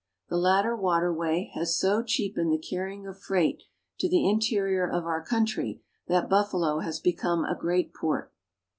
The latter waterway has so cheapened the carrying of freight to the interior of our country that Buffalo has become a great port.